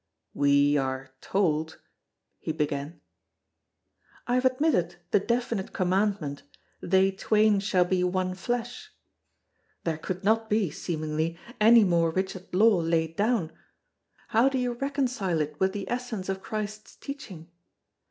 "We are told——" he began. "I have admitted the definite commandment: 'They twain shall be one flesh.' There could not be, seemingly, any more rigid law laid down; how do you reconcile it with the essence of Christ's teaching?